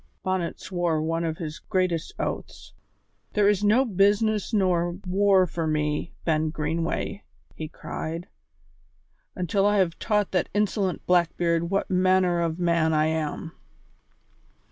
Bonnet swore one of his greatest oaths. "There is no business nor war for me, Ben Greenway," he cried, "until I have taught that insolent Blackbeard what manner of man I am."